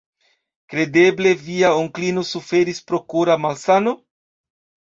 Kredeble via onklino suferis pro kora malsano?